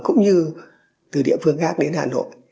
cũng như từ địa phương khác đến hà nội